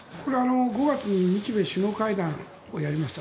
５月に日米首脳会談をやりました。